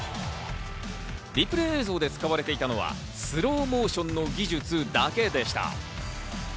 リプレー映像で使われていたのはスローモーションの技術だけでした。